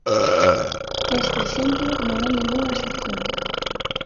Este exemplo non é ningunha excepción.